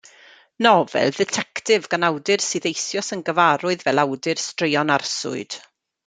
Nofel dditectif gan awdur sydd eisoes yn gyfarwydd fel awdur straeon arswyd.